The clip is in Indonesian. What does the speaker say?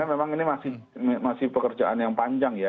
sebenarnya memang ini masih masih pekerjaan yang panjang ya